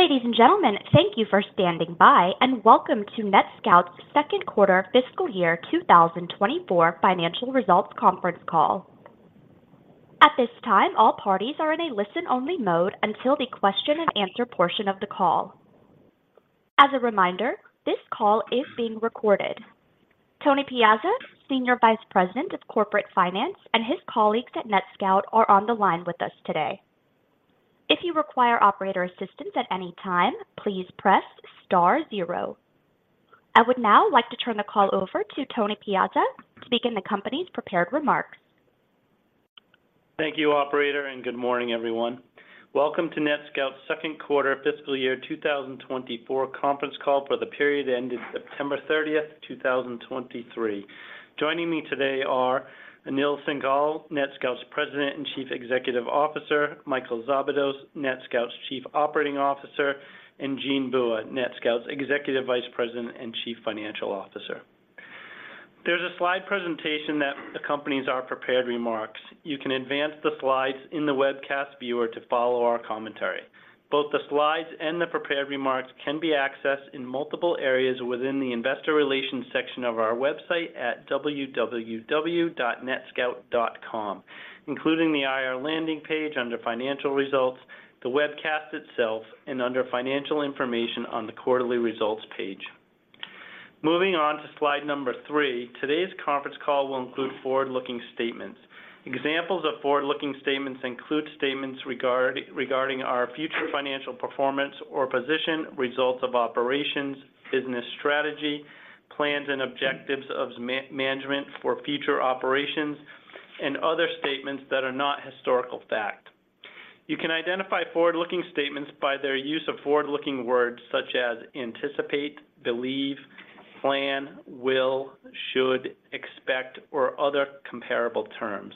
Ladies and gentlemen, thank you for standing by, and welcome to NETSCOUT's second quarter fiscal year 2024 financial results conference call. At this time, all parties are in a listen-only mode until the question and answer portion of the call. As a reminder, this call is being recorded. Tony Piazza, Senior Vice President of Corporate Finance, and his colleagues at NETSCOUT, are on the line with us today. If you require operator assistance at any time, please press star zero. I would now like to turn the call over to Tony Piazza to begin the company's prepared remarks. Thank you, operator, and good morning, everyone. Welcome to NETSCOUT's second quarter fiscal year 2024 conference call for the period that ended September 30, 2023. Joining me today are Anil Singhal, NETSCOUT's President and Chief Executive Officer, Michael Szabados, NETSCOUT's Chief Operating Officer, and Jean Bua, NETSCOUT's Executive Vice President and Chief Financial Officer. There's a slide presentation that accompanies our prepared remarks. You can advance the slides in the webcast viewer to follow our commentary. Both the slides and the prepared remarks can be accessed in multiple areas within the Investor Relations section of our website at www.netscout.com, including the IR landing page under Financial Results, the webcast itself, and under Financial Information on the Quarterly Results page. Moving on to slide number three, today's conference call will include forward-looking statements. Examples of forward-looking statements include statements regarding our future financial performance or position, results of operations, business strategy, plans and objectives of management for future operations, and other statements that are not historical fact. You can identify forward-looking statements by their use of forward-looking words such as anticipate, believe, plan, will, should, expect, or other comparable terms.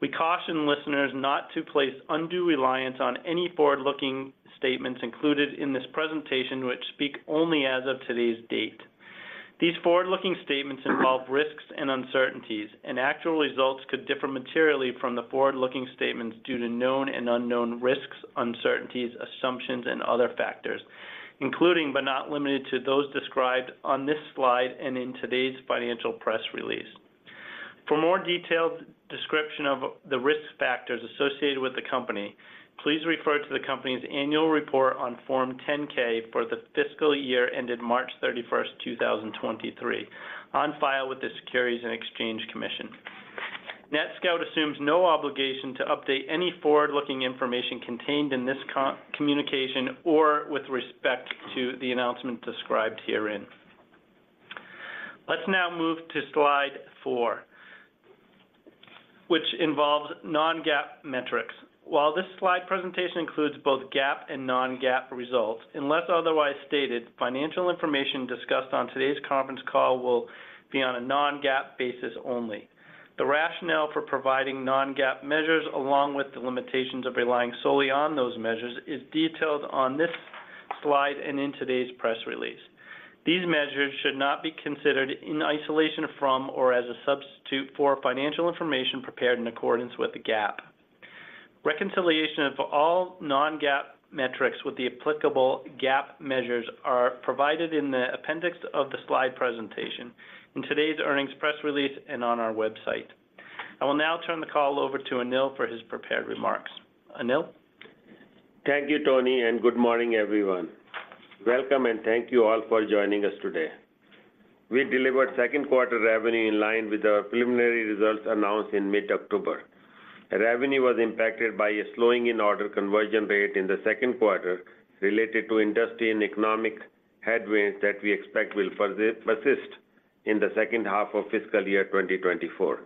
We caution listeners not to place undue reliance on any forward-looking statements included in this presentation, which speak only as of today's date. These forward-looking statements involve risks and uncertainties, and actual results could differ materially from the forward-looking statements due to known and unknown risks, uncertainties, assumptions, and other factors, including, but not limited to, those described on this slide and in today's financial press release. For more detailed description of the risk factors associated with the company, please refer to the company's annual report on Form 10-K for the fiscal year ended March 31, 2023, on file with the Securities and Exchange Commission. NETSCOUT assumes no obligation to update any forward-looking information contained in this communication or with respect to the announcement described herein. Let's now move to slide four, which involves non-GAAP metrics. While this slide presentation includes both GAAP and non-GAAP results, unless otherwise stated, financial information discussed on today's conference call will be on a non-GAAP basis only. The rationale for providing non-GAAP measures, along with the limitations of relying solely on those measures, is detailed on this slide and in today's press release. These measures should not be considered in isolation from or as a substitute for financial information prepared in accordance with the GAAP. Reconciliation of all non-GAAP metrics with the applicable GAAP measures are provided in the appendix of the slide presentation, in today's earnings press release, and on our website. I will now turn the call over to Anil for his prepared remarks. Anil? Thank you, Tony, and good morning, everyone. Welcome, and thank you all for joining us today. We delivered second quarter revenue in line with our preliminary results announced in mid-October. Revenue was impacted by a slowing in order conversion rate in the second quarter related to industry and economic headwinds that we expect will persist in the second half of fiscal year 2024.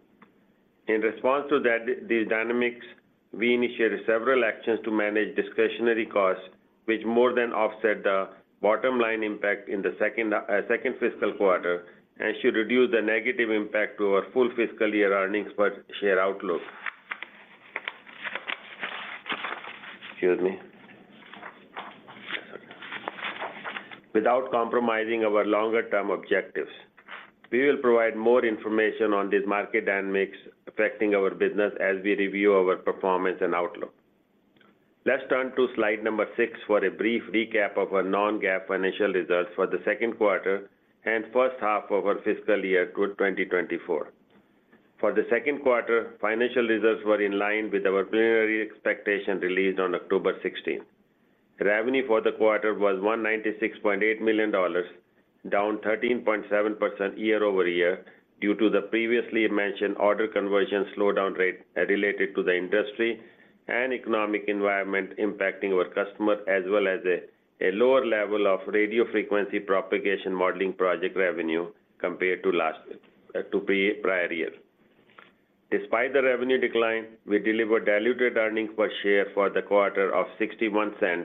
In response to these dynamics, we initiated several actions to manage discretionary costs, which more than offset the bottom line impact in the second fiscal quarter and should reduce the negative impact to our full fiscal year earnings per share outlook. Excuse me. Without compromising our longer-term objectives, we will provide more information on these market dynamics affecting our business as we review our performance and outlook. Let's turn to slide number six for a brief recap of our non-GAAP financial results for the second quarter and first half of our fiscal year 2024. For the second quarter, financial results were in line with our preliminary expectation released on October 16. Revenue for the quarter was $196.8 million, down 13.7% year-over-year due to the previously mentioned order conversion slowdown rate related to the industry and economic environment impacting our customers, as well as a lower level of radio frequency propagation modeling project revenue compared to prior year. Despite the revenue decline, we delivered diluted earnings per share for the quarter of $0.61,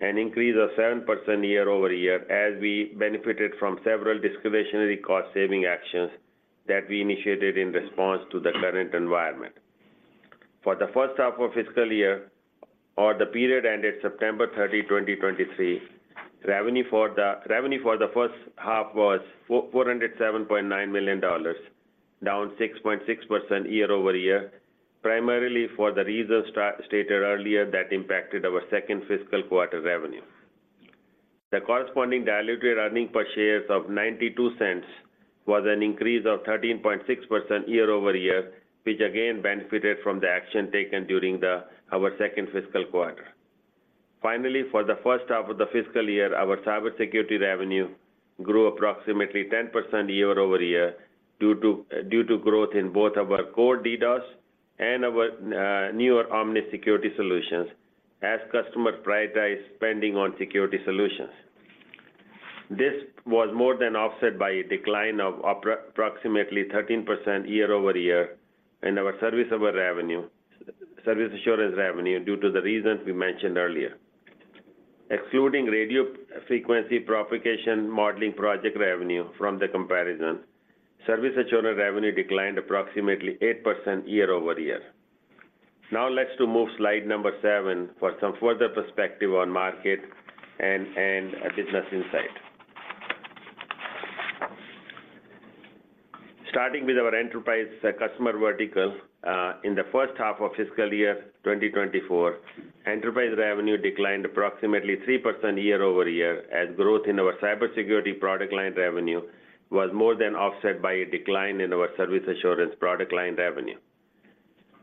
an increase of 7% year-over-year, as we benefited from several discretionary cost-saving actions that we initiated in response to the current environment. For the first half of fiscal year or the period ended September 30, 2023. Revenue for the first half was $407.9 million, down 6.6% year-over-year, primarily for the reasons stated earlier that impacted our second fiscal quarter revenue. The corresponding dilutiv earnings per share of $0.92 was an increase of 13.6% year-over-year, which again benefited from the action taken during our second fiscal quarter. Finally, for the first half of the fiscal year, our cybersecurity revenue grew approximately 10% year-over-year, due to growth in both our core DDoS and our newer Omnis security solutions as customers prioritize spending on security solutions. This was more than offset by a decline of approximately 13% year-over-year in our service assurance revenue, due to the reasons we mentioned earlier. Excluding radio frequency propagation modeling project revenue from the comparison, service assurance revenue declined approximately 8% year-over-year. Now let's move to slide seven for some further perspective on market and business insight. Starting with our enterprise customer vertical, in the first half of fiscal year 2024, enterprise revenue declined approximately 3% year-over-year, as growth in our cybersecurity product line revenue was more than offset by a decline in our service assurance product line revenue.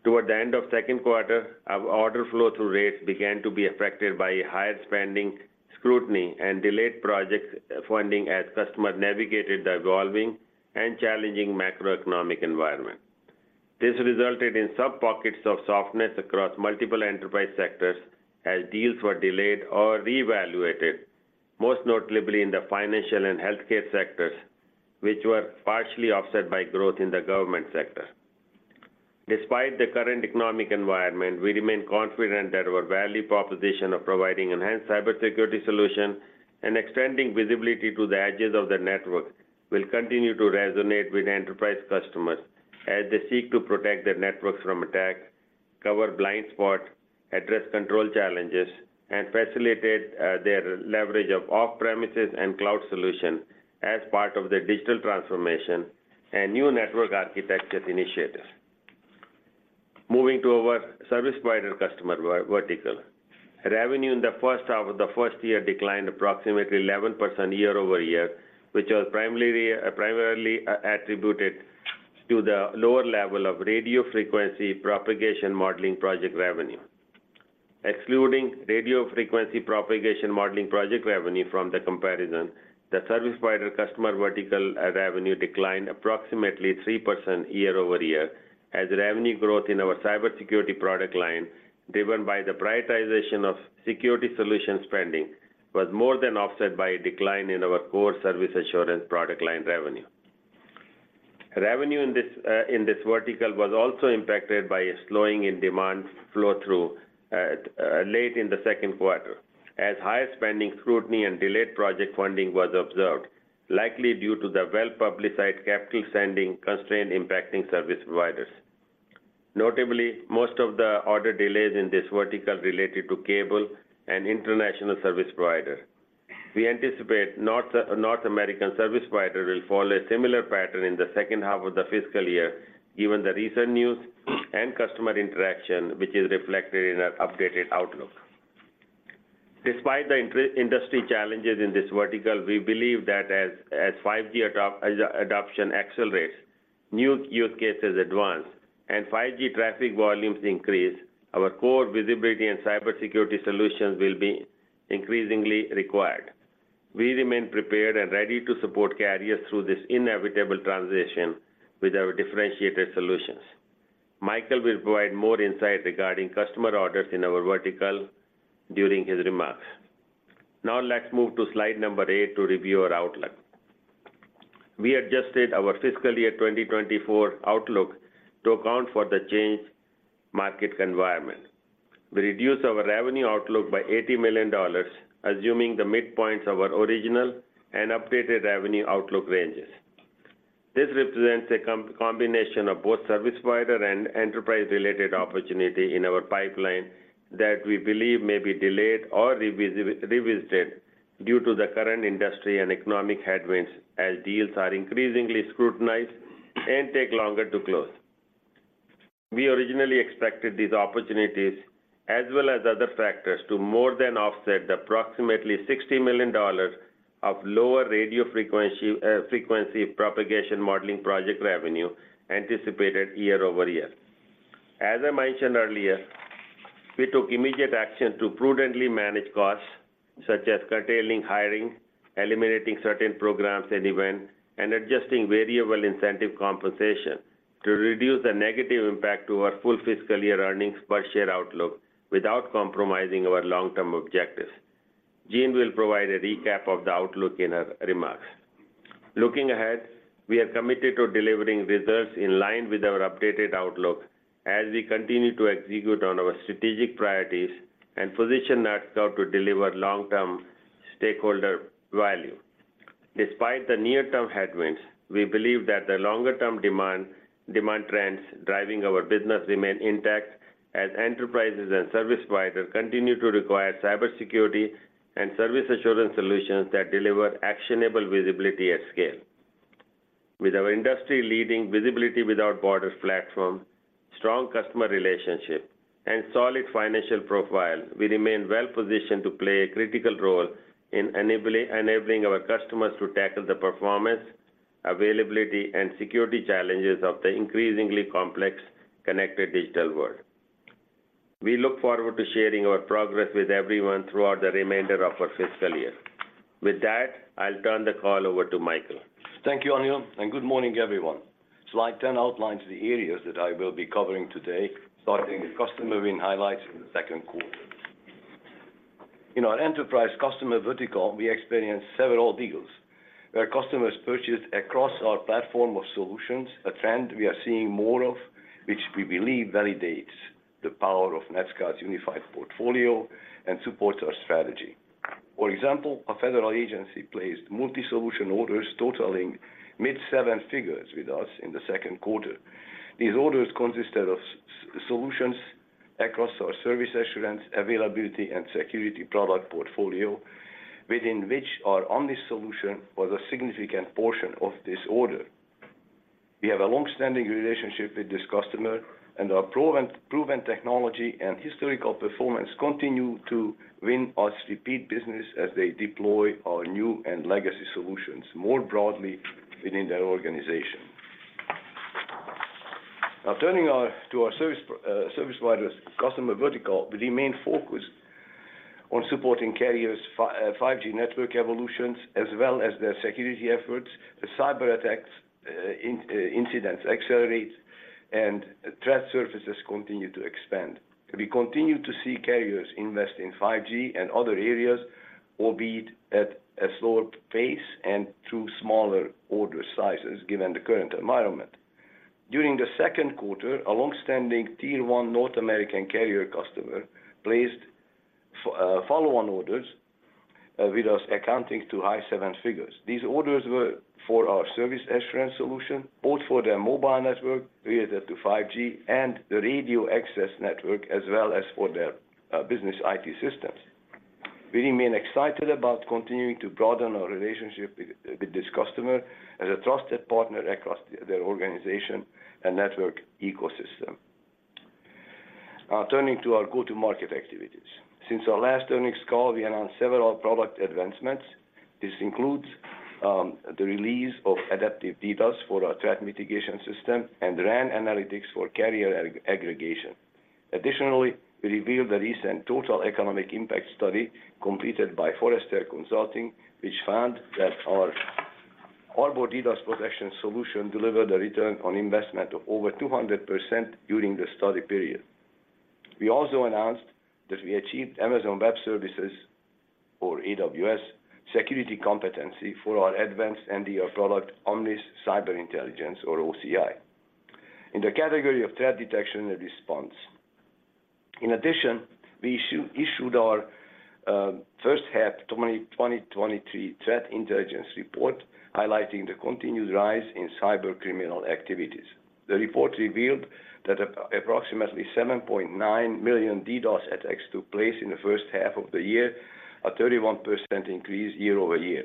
Toward the end of second quarter, our order flow-through rates began to be affected by higher spending scrutiny and delayed project funding as customers navigated the evolving and challenging macroeconomic environment. This resulted in some pockets of softness across multiple enterprise sectors as deals were delayed or reevaluated, most notably in the financial and healthcare sectors, which were partially offset by growth in the government sector. Despite the current economic environment, we remain confident that our value proposition of providing enhanced cybersecurity solution and extending visibility to the edges of the network will continue to resonate with enterprise customers as they seek to protect their networks from attacks, cover blind spots, address control challenges, and facilitate their leverage of off-premises and cloud solutions as part of their digital transformation and new network architecture initiatives. Moving to our service provider customer vertical. Revenue in the first half of the fiscal year declined approximately 11% year-over-year, which was primarily attributed to the lower level of radio frequency propagation modeling project revenue. Excluding Radio Frequency Propagation Modeling project revenue from the comparison, the service provider customer vertical revenue declined approximately 3% year-over-year, as revenue growth in our cybersecurity product line, driven by the prioritization of security solution spending, was more than offset by a decline in our core service assurance product line revenue. Revenue in this vertical was also impacted by a slowing in demand flow-through late in the second quarter, as higher spending scrutiny and delayed project funding was observed, likely due to the well-publicized capital spending constraint impacting service providers. Notably, most of the order delays in this vertical related to cable and international service provider. We anticipate North American service provider will follow a similar pattern in the second half of the fiscal year, given the recent news and customer interaction, which is reflected in our updated outlook. Despite the industry challenges in this vertical, we believe that as 5G adoption accelerates, new use cases advance, and 5G traffic volumes increase, our core visibility and cybersecurity solutions will be increasingly required. We remain prepared and ready to support carriers through this inevitable transition with our differentiated solutions. Michael will provide more insight regarding customer orders in our vertical during his remarks. Now, let's move to slide number eight to review our outlook. We adjusted our fiscal year 2024 outlook to account for the changed market environment. We reduced our revenue outlook by $80 million, assuming the midpoints of our original and updated revenue outlook ranges. This represents a combination of both service provider and enterprise-related opportunity in our pipeline that we believe may be delayed or revisited due to the current industry and economic headwinds, as deals are increasingly scrutinized and take longer to close. We originally expected these opportunities, as well as other factors, to more than offset the approximately $60 million of lower radio frequency propagation modeling project revenue anticipated year-over-year. As I mentioned earlier, we took immediate action to prudently manage costs, such as curtailing hiring, eliminating certain programs and events, and adjusting variable incentive compensation to reduce the negative impact to our full fiscal year earnings per share outlook without compromising our long-term objectives. Jean will provide a recap of the outlook in his remarks. Looking ahead, we are committed to delivering results in line with our updated outlook as we continue to execute on our strategic priorities and position NETSCOUT to deliver long-term stakeholder value. Despite the near-term headwinds, we believe that the longer-term demand, demand trends driving our business remain intact as enterprises and service providers continue to require cybersecurity and service assurance solutions that deliver actionable visibility at scale. With our industry-leading Visibility Without Borders platform, strong customer relationships, and solid financial profile, we remain well-positioned to play a critical role in enabling our customers to tackle the performance, availability, and security challenges of the increasingly complex connected digital world. We look forward to sharing our progress with everyone throughout the remainder of our fiscal year. With that, I'll turn the call over to Michael. Thank you, Anil, and good morning, everyone. Slide 10 outlines the areas that I will be covering today, starting with customer win highlights in the second quarter. In our enterprise customer vertical, we experienced several deals where customers purchased across our platform of solutions, a trend we are seeing more of, which we believe validates the power of NETSCOUT's unified portfolio and supports our strategy. For example, a federal agency placed multi-solution orders totaling mid-seven figures with us in the second quarter. These orders consisted of solutions across our service assurance, availability, and security product portfolio, within which our Omnis solution was a significant portion of this order. We have a long-standing relationship with this customer, and our proven technology and historical performance continue to win us repeat business as they deploy our new and legacy solutions more broadly within their organization. Now, turning to our service providers customer vertical, we remain focused on supporting carriers' 5G network evolutions, as well as their security efforts, the cyberattacks incidents accelerate and threat surfaces continue to expand. We continue to see carriers invest in 5G and other areas, albeit at a slower pace and through smaller order sizes, given the current environment. During the second quarter, a long-standing tier one North American carrier customer placed follow-on orders with us, accounting to dollar high seven figures. These orders were for our service assurance solution, both for their mobile network, related to 5G and the radio access network, as well as for their business IT systems. We remain excited about continuing to broaden our relationship with this customer as a trusted partner across their organization and network ecosystem. Turning to our go-to-market activities. Since our last earnings call, we announced several product advancements. This includes the release of Adaptive DDoS for our threat mitigation system and RAN Analytics for Carrier Aggregation. Additionally, we revealed a recent total economic impact study completed by Forrester Consulting, which found that our Arbor DDoS Protection solution delivered a return on investment of over 200% during the study period. We also announced that we achieved Amazon Web Services, or AWS, security competency for our advanced NDR product, Omnis Cyber Intelligence, or OCI, in the category of threat detection and response. In addition, we issued our first half 2023 Threat Intelligence Report, highlighting the continued rise in cybercriminal activities. The report revealed that approximately 7.9 million DDoS attacks took place in the first half of the year, a 31% increase year-over-year.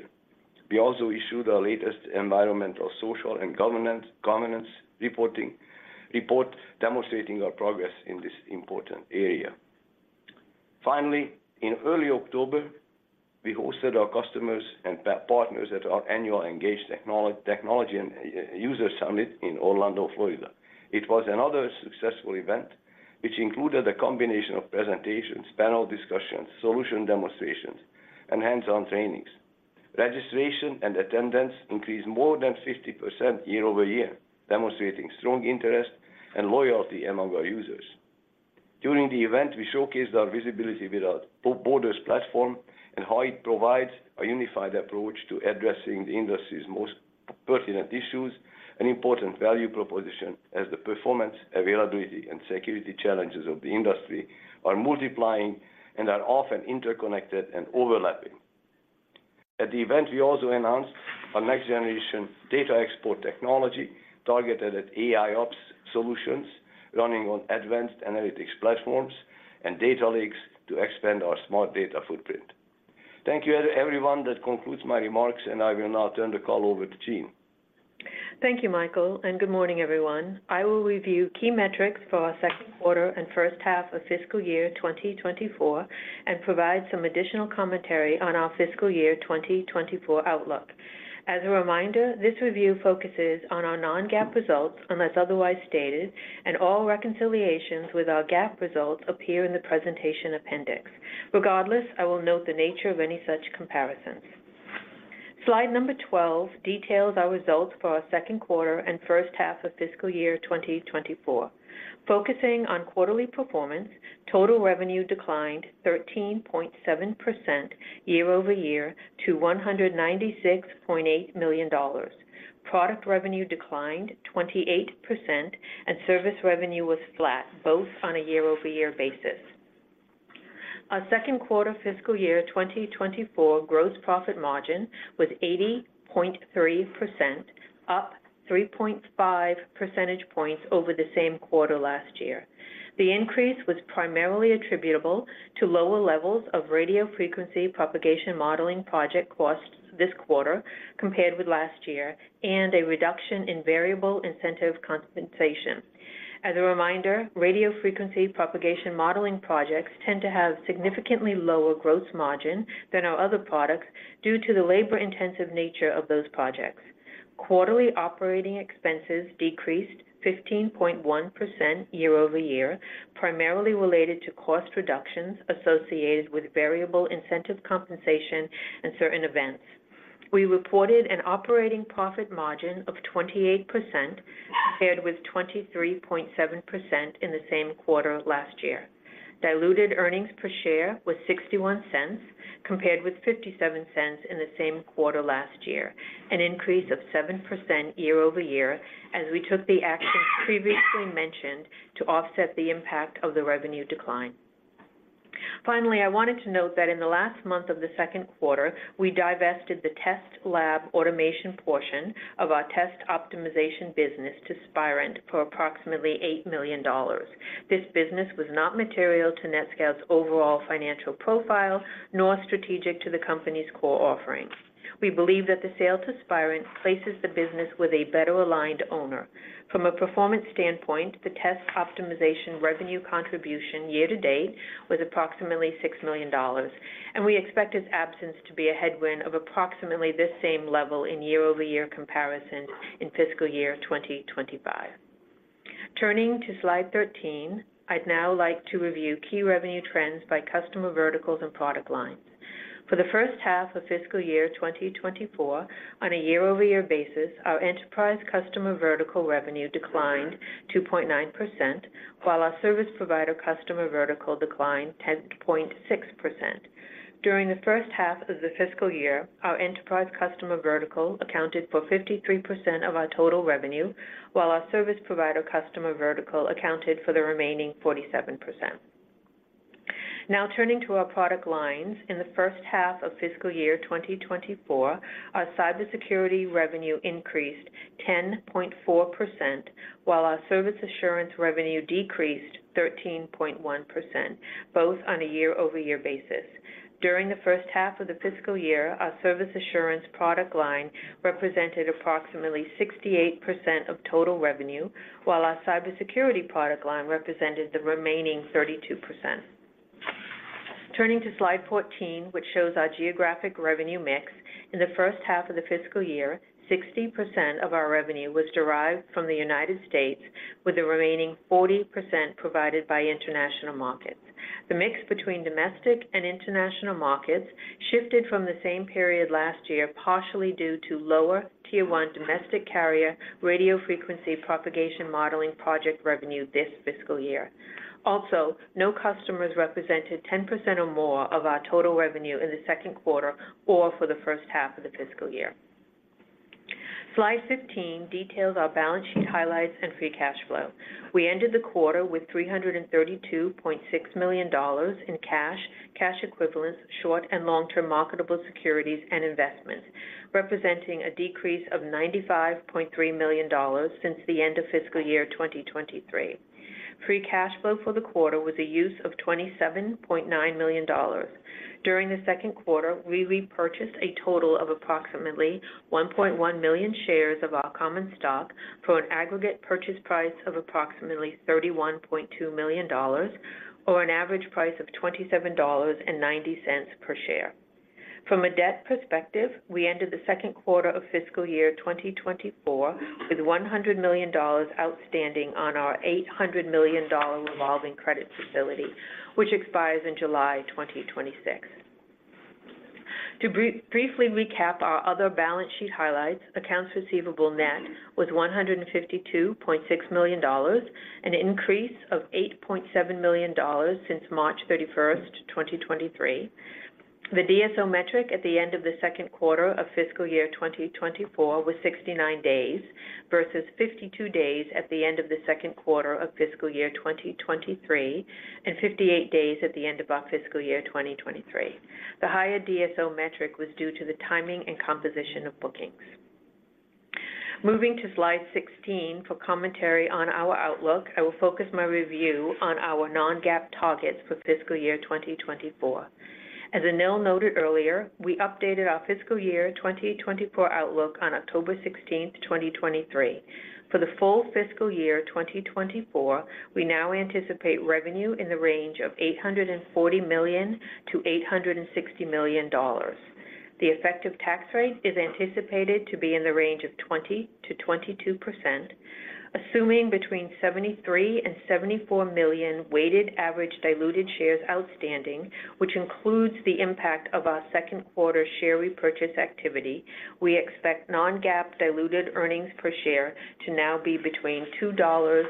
We also issued our latest Environmental, Social, and Governance report, demonstrating our progress in this important area. Finally, in early October, we hosted our customers and partners at our annual Engage Technology and User Summit in Orlando, Florida. It was another successful event, which included a combination of presentations, panel discussions, solution demonstrations, and hands-on trainings. Registration and attendance increased more than 50% year-over-year, demonstrating strong interest and loyalty among our users. During the event, we showcased our Visibility Without Borders platform and how it provides a unified approach to addressing the industry's most pertinent issues and important value proposition as the performance, availability, and security challenges of the industry are multiplying and are often interconnected and overlapping. At the event, we also announced our next-generation data export technology, targeted at AIOps solutions, running on advanced analytics platforms and data lakes to expand our smart data footprint. Thank you, everyone. That concludes my remarks, and I will now turn the call over to Jean. Thank you, Michael, and good morning, everyone. I will review key metrics for our second quarter and first half of fiscal year 2024, and provide some additional commentary on our fiscal year 2024 outlook. As a reminder, this review focuses on our non-GAAP results, unless otherwise stated, and all reconciliations with our GAAP results appear in the presentation appendix. Regardless, I will note the nature of any such comparisons. Slide number 12 details our results for our second quarter and first half of fiscal year 2024. Focusing on quarterly performance, total revenue declined 13.7% year- over- year to $196.8 million. Product revenue declined 28%, and service revenue was flat, both on a year-over-year basis. Our second quarter fiscal year 2024 gross profit margin was 80.3%, up 3.5% points over the same quarter last year. The increase was primarily attributable to lower levels of radio frequency propagation modeling project costs this quarter compared with last year, and a reduction in variable incentive compensation. As a reminder, radio frequency propagation modeling projects tend to have significantly lower gross margin than our other products due to the labor-intensive nature of those projects. Quarterly operating expenses decreased 15.1% year -over- year, primarily related to cost reductions associated with variable incentive compensation and certain events. We reported an operating profit margin of 28%, compared with 23.7% in the same quarter last year. Diluted earnings per share was $0.61, compared with $0.57 in the same quarter last year, an increase of 7% year-over-year as we took the actions previously mentioned to offset the impact of the revenue decline. Finally, I wanted to note that in the last month of the second quarter, we divested the test lab automation portion of our test optimization business to Spirent for approximately $8 million. This business was not material to NetScout's overall financial profile, nor strategic to the company's core offerings. We believe that the sale to Spirent places the business with a better-aligned owner. From a performance standpoint, the test optimization revenue contribution year to date was approximately $6 million, and we expect its absence to be a headwind of approximately this same level in year-over-year comparison in fiscal year 2025. Turning to slide 13, I'd now like to review key revenue trends by customer verticals and product lines. For the first half of fiscal year 2024, on a year-over-year basis, our enterprise customer vertical revenue declined 2.9%, while our service provider customer vertical declined 10.6%. During the first half of the fiscal year, our enterprise customer vertical accounted for 53% of our total revenue, while our service provider customer vertical accounted for the remaining 47%. Now turning to our product lines. In the first half of fiscal year 2024, our cybersecurity revenue increased 10.4%, while our service assurance revenue decreased 13.1%, both on a year-over-year basis. During the first half of the fiscal year, our service assurance product line represented approximately 68% of total revenue, while our cybersecurity product line represented the remaining 32%. Turning to Slide 14, which shows our geographic revenue mix, in the first half of the fiscal year, 60% of our revenue was derived from the United States, with the remaining 40% provided by international markets. The mix between domestic and international markets shifted from the same period last year, partially due to lower Tier 1 domestic carrier Radio Frequency Propagation Modeling project revenue this fiscal year. Also, no customers represented 10% or more of our total revenue in the second quarter or for the first half of the fiscal year. Slide 15 details our balance sheet highlights and free cash flow. We ended the quarter with $332.6 million in cash, cash equivalents, short- and long-term marketable securities and investments, representing a decrease of $95.3 million since the end of fiscal year 2023. Free cash flow for the quarter was a use of $27.9 million. During the second quarter, we repurchased a total of approximately 1.1 million shares of our common stock for an aggregate purchase price of approximately $31.2 million, or an average price of $27.90 per share. From a debt perspective, we ended the second quarter of fiscal year 2024 with $100 million outstanding on our $800 million revolving credit facility, which expires in July 2026. To briefly recap our other balance sheet highlights, accounts receivable net was $152.6 million, an increase of $8.7 million since March 31, 2023. The DSO metric at the end of the second quarter of fiscal year 2024 was 69 days, versus 52 days at the end of the second quarter of fiscal year 2023, and 58 days at the end of our fiscal year 2023. The higher DSO metric was due to the timing and composition of bookings. Moving to slide 16, for commentary on our outlook, I will focus my review on our non-GAAP targets for fiscal year 2024. As Anil noted earlier, we updated our fiscal year 2024 outlook on October 16, 2023. For the full fiscal year 2024, we now anticipate revenue in the range of $840 million-$860 million. The effective tax rate is anticipated to be in the range of 20%-22%, assuming between 73 million-74 million weighted average diluted shares outstanding, which includes the impact of our second quarter share repurchase activity. We expect Non-GAAP diluted earnings per share to now be between $2-$2.20.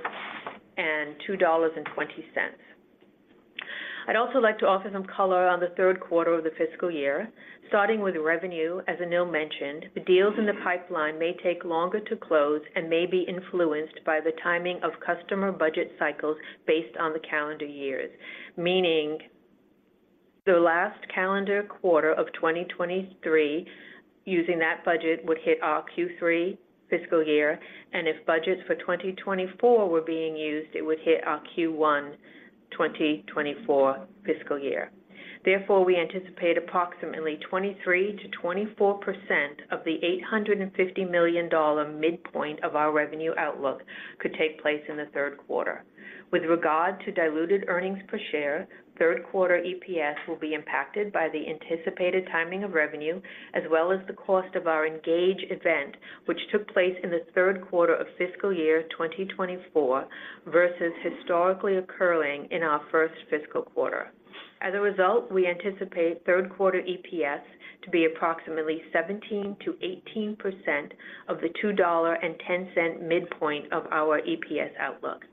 I'd also like to offer some color on the third quarter of the fiscal year, starting with revenue. As Anil mentioned, the deals in the pipeline may take longer to close and may be influenced by the timing of customer budget cycles based on the calendar years, meaning, The last calendar quarter of 2023, using that budget, would hit our Q3 fiscal year, and if budgets for 2024 were being used, it would hit our Q1 2024 fiscal year. Therefore, we anticipate approximately 23%-24% of the $850 million midpoint of our revenue outlook could take place in the third quarter. With regard to diluted earnings per share, third quarter EPS will be impacted by the anticipated timing of revenue, as well as the cost of our Engage event, which took place in the third quarter of fiscal year 2024, versus historically occurring in our first fiscal quarter. As a result, we anticipate third quarter EPS to be approximately 17%-18% of the $2.10 midpoint of our EPS outlook.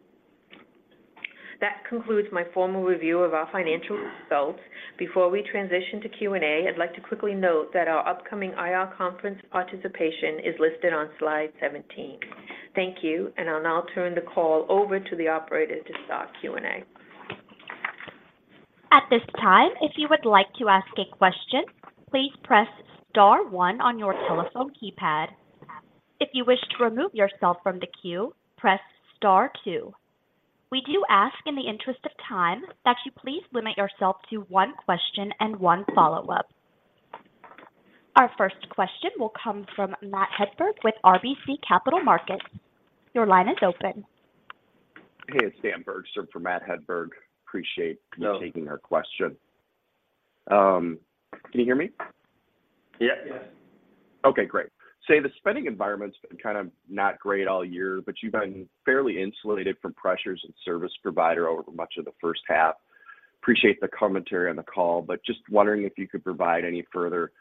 That concludes my formal review of our financial results. Before we transition to Q&A, I'd like to quickly note that our upcoming IR conference participation is listed on slide 17. Thank you, and I'll now turn the call over to the operator to start Q&A. At this time, if you would like to ask a question, please press star one on your telephone keypad. If you wish to remove yourself from the queue, press star two. We do ask, in the interest of time, that you please limit yourself to one question and one follow-up. Our first question will come from Matt Hedberg with RBC Capital Markets. Your line is open. Hey, it's Dan Hedberg for Matt Hedberg. Appreciate you taking our question. Can you hear me? Yeah. Yes. Okay, great. Say, the spending environment's been kind of not great all year, but you've been fairly insulated from pressures in service provider over much of the first half. Appreciate the commentary on the call, but just wondering if you could provide any further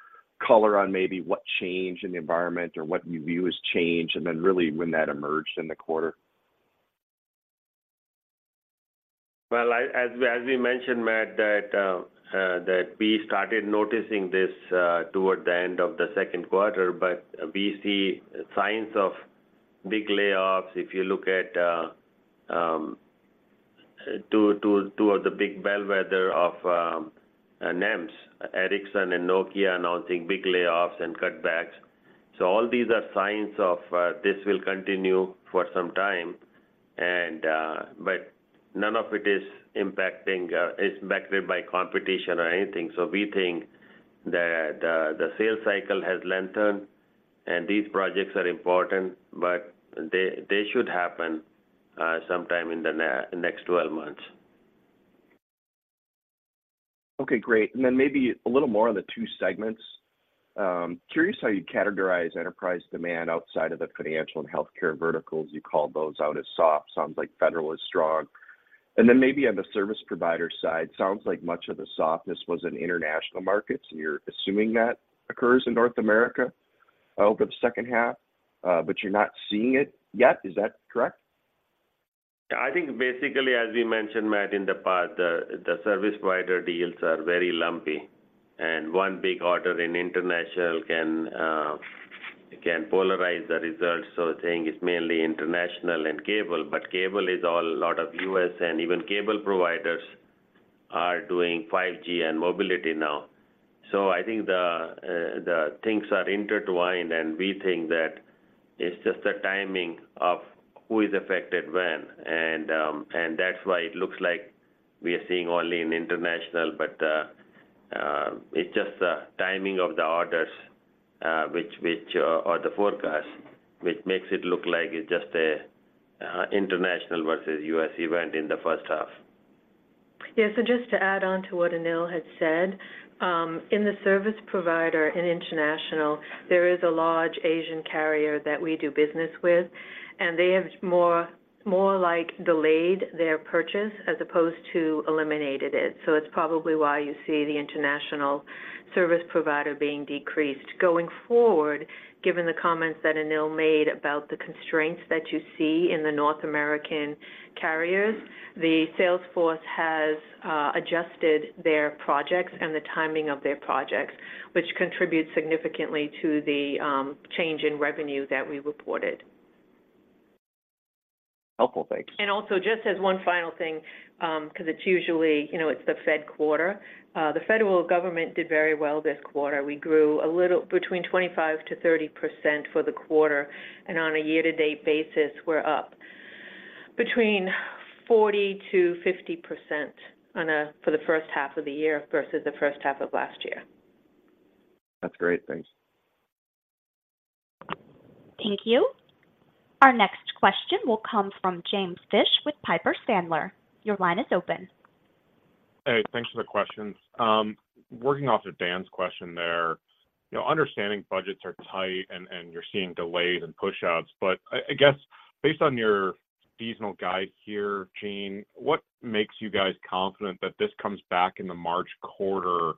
color on maybe what changed in the environment or what you view as change, and then really when that emerged in the quarter. Well, as we mentioned, Matt, that we started noticing this toward the end of the second quarter, but we see signs of big layoffs. If you look at two of the big bellwether of NEMs, Ericsson and Nokia announcing big layoffs and cutbacks. So all these are signs of this will continue for some time, and... But none of it is impacted by competition or anything. So we think that the sales cycle has lengthened, and these projects are important, but they should happen sometime in the next 12 months. Okay, great. And then maybe a little more on the two segments. Curious how you'd categorize enterprise demand outside of the financial and healthcare verticals. You called those out as soft. Sounds like federal is strong. And then maybe on the service provider side, sounds like much of the softness was in international markets, and you're assuming that occurs in North America over the second half, but you're not seeing it yet. Is that correct? I think basically, as we mentioned, Matt, in the past, the service provider deals are very lumpy, and one big order in international can polarize the results. So the thing is mainly international and cable, but cable is all a lot of US, and even cable providers are doing 5G and mobility now. So I think the things are intertwined, and we think that it's just a timing of who is affected when. And that's why it looks like we are seeing only in international, but it's just the timing of the orders, which or the forecast, which makes it look like it's just a international versus US event in the first half. Yeah. So just to add on to what Anil has said, in the service provider in international, there is a large Asian carrier that we do business with, and they have more, like, delayed their purchase as opposed to eliminated it. So it's probably why you see the international service provider being decreased. Going forward, given the comments that Anil made about the constraints that you see in the North American carriers, the sales force has adjusted their projects and the timing of their projects, which contributes significantly to the change in revenue that we reported. Helpful. Thanks. And also, just as one final thing, 'cause it's usually, you know, it's the Fed quarter. The federal government did very well this quarter. We grew a little between 25%-30% for the quarter, and on a year-to-date basis, we're up between 40%-50% for the first half of the year versus the first half of last year. That's great. Thanks. Thank you. Our next question will come from James Fish with Piper Sandler. Your line is open. Hey, thanks for the questions. Working off of Dan's question there, you know, understanding budgets are tight and you're seeing delays and pushouts, but I guess based on your seasonal guide here, Jean, what makes you guys confident that this comes back in the March quarter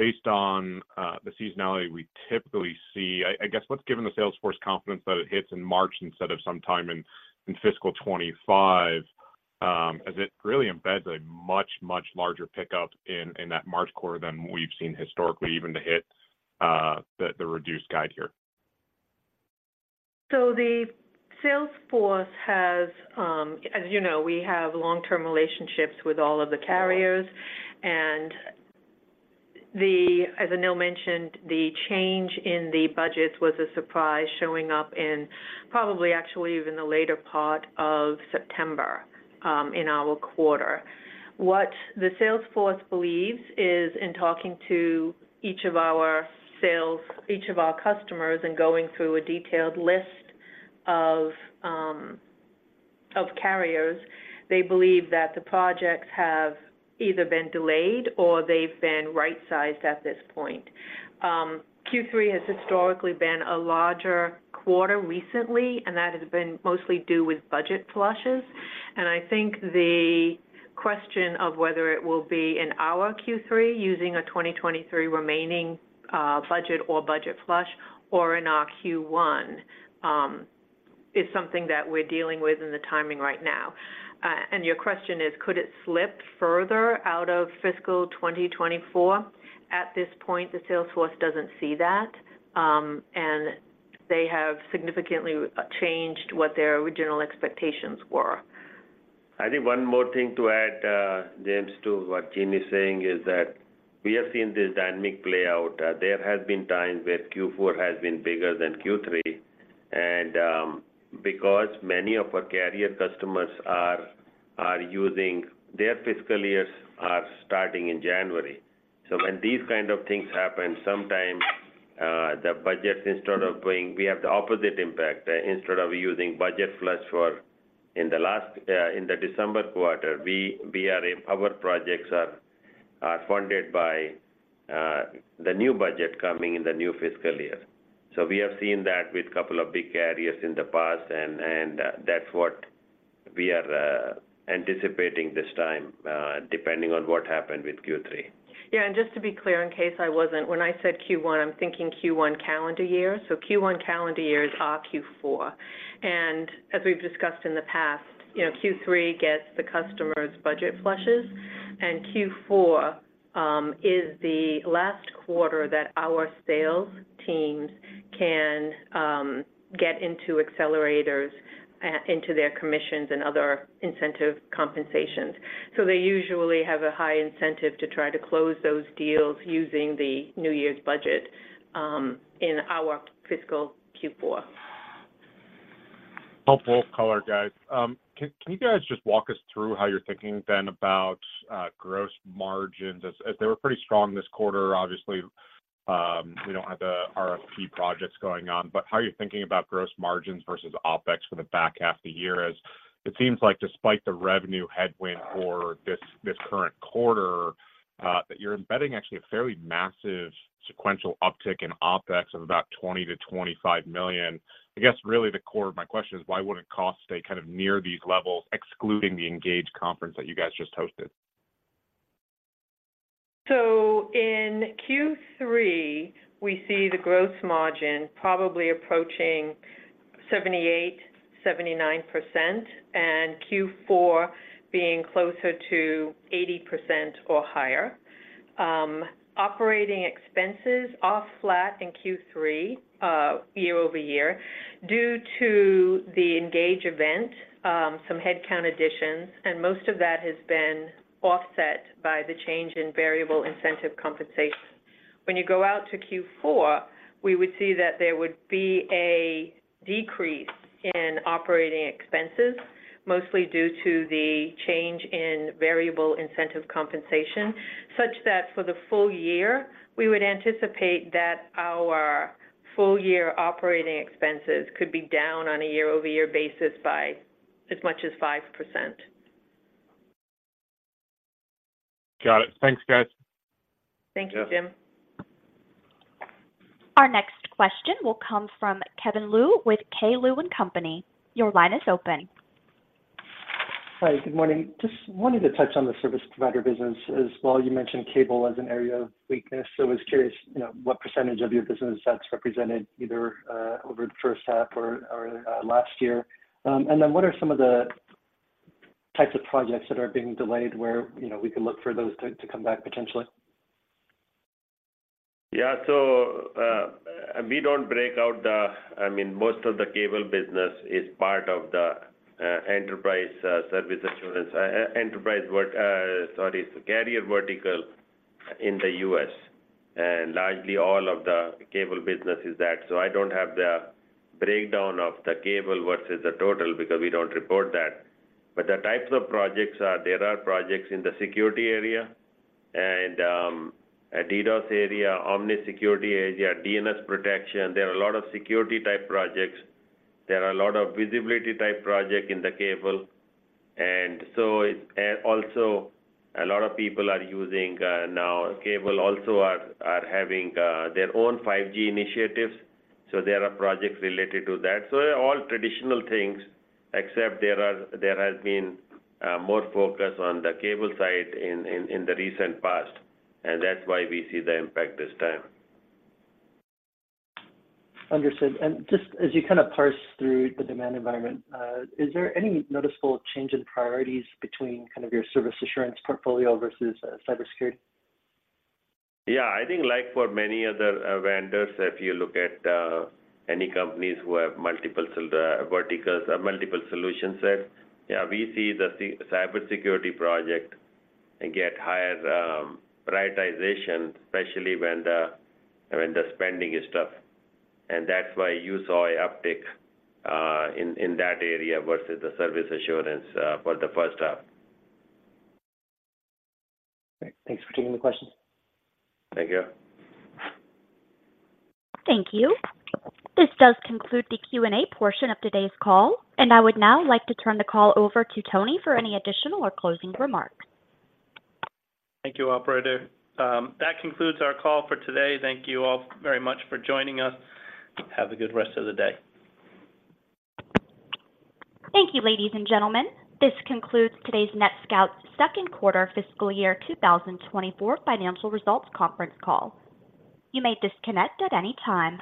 based on the seasonality we typically see? I guess, what's giving the sales force confidence that it hits in March instead of sometime in fiscal 2025? As it really embeds a much, much larger pickup in that March quarter than we've seen historically, even to hit the reduced guide here. So the sales force has, as you know, we have long-term relationships with all of the carriers. And as Anil mentioned, the change in the budget was a surprise, showing up in probably actually even the later part of September, in our quarter. What the sales force believes is in talking to each of our sales, each of our customers, and going through a detailed list of, of carriers, they believe that the projects have either been delayed or they've been right-sized at this point. Q3 has historically been a larger quarter recently, and that has been mostly due with budget flushes. And I think the question of whether it will be in our Q3 using a 2023 remaining, budget or budget flush, or in our Q1, is something that we're dealing with in the timing right now. Your question is, could it slip further out of fiscal 2024? At this point, the sales force doesn't see that, and they have significantly changed what their original expectations were. I think one more thing to add, James, to what Jean is saying, is that we have seen this dynamic play out. There have been times where Q4 has been bigger than Q3, and because many of our carrier customers are using their fiscal years are starting in January. So when these kind of things happen, sometimes the budget, instead of bringing, we have the opposite impact. Instead of using budget flush for in the last in the December quarter, we are in our projects are funded by the new budget coming in the new fiscal year. So we have seen that with a couple of big carriers in the past, and that's what we are anticipating this time, depending on what happened with Q3. Yeah, and just to be clear, in case I wasn't, when I said Q1, I'm thinking Q1 calendar year, so Q1 calendar years are Q4. And as we've discussed in the past, you know, Q3 gets the customer's budget flushes, and Q4 is the last quarter that our sales teams can get into accelerators into their commissions and other incentive compensations. So they usually have a high incentive to try to close those deals using the New Year's budget in our fiscal Q4. Helpful color, guys. Can you guys just walk us through how you're thinking then about gross margins? As they were pretty strong this quarter, obviously, we don't have the RFP projects going on, but how are you thinking about gross margins versus OpEx for the back half of the year? As it seems like despite the revenue headwind for this current quarter, that you're embedding actually a fairly massive sequential uptick in OpEx of about $20 million-$25 million. I guess really the core of my question is, why wouldn't cost stay near these levels, excluding the Engage conference that you guys just hosted? So in Q3, we see the gross margin probably approaching 78%-79%, and Q4 being closer to 80% or higher. Operating expenses are flat in Q3, year-over-year, due to the Engage event, some headcount additions, and most of that has been offset by the change in variable incentive compensation. When you go out to Q4, we would see that there would be a decrease in operating expenses, mostly due to the change in variable incentive compensation. Such that for the full year, we would anticipate that our full-year operating expenses could be down on a year-over-year basis by as much as 5%. Got it. Thanks, guys. Thank you, Jim. Our next question will come from Kevin Liu with K. Liu and Company. Your line is open. Hi, good morning. Just wanted to touch on the service provider business as well. You mentioned cable as an area of weakness, so I was curious, you know, what percentage of your business that's represented either over the first half or last year. And then what are some of the types of projects that are being delayed where, you know, we can look for those to come back potentially? Yeah, so, we don't break out the-- I mean, most of the cable business is part of the, enterprise, service assurance, enterprise vert, sorry, carrier vertical in the U.S., and largely all of the cable business is that. So I don't have the breakdown of the cable versus the total because we don't report that. But the types of projects are, there are projects in the security area and, a DDoS area, Omnis security area, DNS protection. There are a lot of security type projects. There are a lot of visibility type project in the cable. And so it, also a lot of people are using, now cable also are, are having, their own 5G initiatives, so there are projects related to that. So all traditional things, except there has been more focus on the cable side in the recent past, and that's why we see the impact this time. Understood. Just as you kind of parse through the demand environment, is there any noticeable change in priorities between kind of your service assurance portfolio versus cybersecurity? Yeah, I think like for many other vendors, if you look at any companies who have multiple verticals, multiple solution sets, yeah, we see the cybersecurity project get higher prioritization, especially when the spending is tough. And that's why you saw an uptick in that area versus the service assurance for the first half. Great. Thanks for taking the questions. Thank you. Thank you. This does conclude the Q&A portion of today's call, and I would now like to turn the call over to Tony for any additional or closing remarks. Thank you, operator. That concludes our call for today. Thank you all very much for joining us. Have a good rest of the day. Thank you, ladies and gentlemen. This concludes today's NETSCOUT second quarter fiscal year 2024 financial results conference call. You may disconnect at any time.